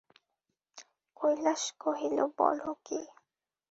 কৈলাস কহিল, বল কী!